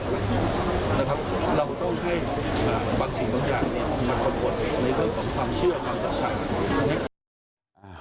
เราต้องให้บางสิ่งบางอย่างมาประกวดในเรื่องของความเชื่อความศรัทธานะครับ